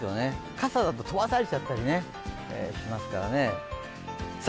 傘だと飛ばされちゃったりしますからね。